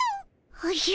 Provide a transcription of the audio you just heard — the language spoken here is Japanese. おじゃ。